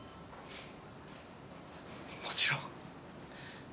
もちろん。